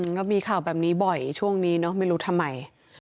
ก็มีข่าวแบบนี้บ่อยช่วงนี้เนอะไม่รู้ทำไม